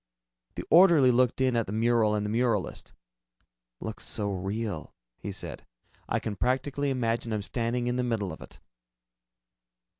The orderly looked in at the mural and the muralist. "Looks so real," he said, "I can practically imagine I'm standing in the middle of it."